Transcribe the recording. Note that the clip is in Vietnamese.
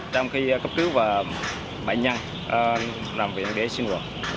trong khi cấp cứu và bệnh nhân làm việc để sinh hoạt